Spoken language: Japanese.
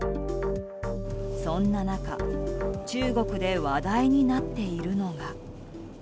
そんな中中国で話題になっているのが。